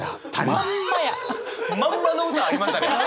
まんまの歌ありましたね！